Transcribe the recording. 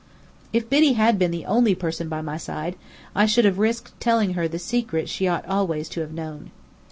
If Biddy had been the only person by my side, I should have risked telling her the secret she ought always to have known.